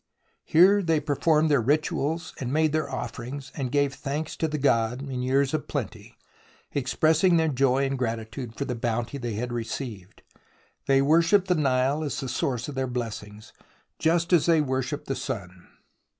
Here they performed their rituals and made their offerings, and gave thanks to the god in years of plenty, expressing their joy and gratitude for the bounty they had received. They worshipped the Nile as the source of their blessings, just as they worshipped the sun.